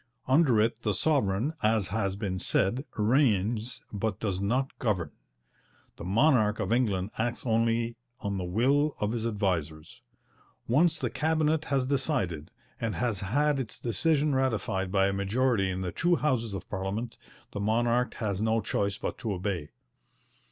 Under it the sovereign, as has been said, 'reigns but does not govern.' The monarch of England acts only on the will of his advisers. Once the Cabinet has decided, and has had its decision ratified by a majority in the two Houses of Parliament, the monarch has no choice but to obey.